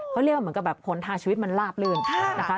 เขาเรียกว่าเหมือนกับแบบผลทางชีวิตมันลาบลื่นนะคะ